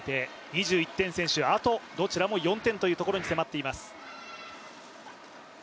２１点先取、あとどちらも４点というところに迫っています。